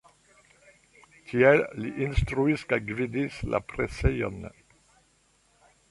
Tie li instruis kaj gvidis la presejon.